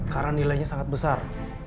karena nilainya sangat besar